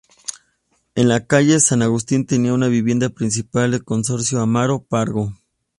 En la calle San Agustín tenía su vivienda principal el corsario Amaro Pargo.